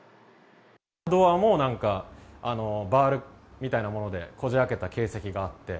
ドアもなんかバールみたいなものでこじあけた形跡があって。